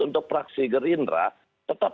untuk fraksi gerindra tetap